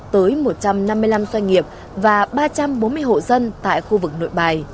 tới một trăm năm mươi năm doanh nghiệp và ba trăm bốn mươi hộ dân tại khu vực nội bài